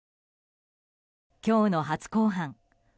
今日の初公判。